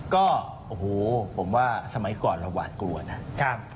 ก็โอ้โหผมว่าสมัยก่อนเราหวาดกลัวนะ